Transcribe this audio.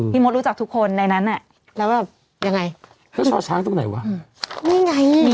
พี่มดรู้จักทุกคนเลยใช่ไหม